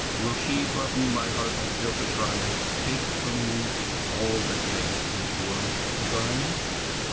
Will she, for whom my heart has built a shrine, Take from me all that makes this world divine?